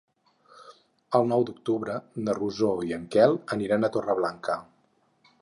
El nou d'octubre na Rosó i en Quel aniran a Torreblanca.